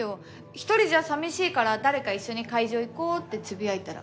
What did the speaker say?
一人じゃ寂しいから誰か一緒に会場行こうってつぶやいたら来てくれただけ。